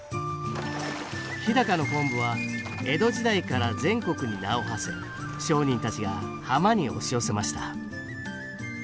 日高の昆布は江戸時代から全国に名をはせ商人たちが浜に押し寄せました。